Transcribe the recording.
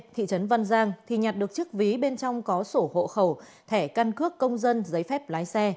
thị trấn văn giang thì nhặt được chiếc ví bên trong có sổ hộ khẩu thẻ căn cước công dân giấy phép lái xe